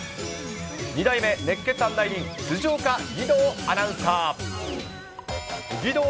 ２代目熱ケツ案内人、辻岡義堂アナウンサー。